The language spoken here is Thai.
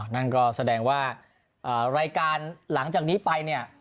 นั่นก็แสดงว่ารายการหลังจากนี้ไปเนี่ย